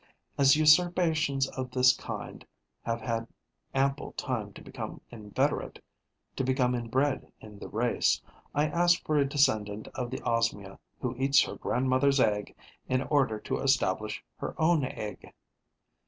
As usurpations of this kind have had ample time to become inveterate, to become inbred in the race, I ask for a descendant of the Osmia who eats her grandmother's egg in order to establish her own egg.